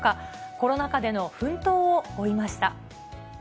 コロナ禍での奮闘を追いました。